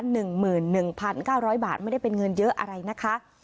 หนึ่งหมื่นหนึ่งพันเก้าร้อยบาทไม่ได้เป็นเงินเยอะอะไรนะคะ